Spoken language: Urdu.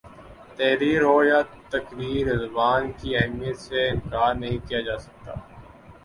تحریر ہو یا تقریر زبان کی اہمیت سے انکار نہیں کیا جا سکتا